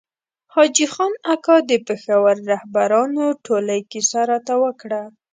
حاجي خان اکا د پېښور رهبرانو ټولۍ کیسه راته وکړه.